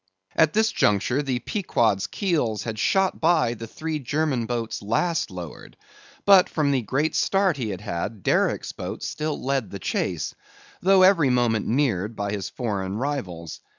At this juncture the Pequod's keels had shot by the three German boats last lowered; but from the great start he had had, Derick's boat still led the chase, though every moment neared by his foreign rivals.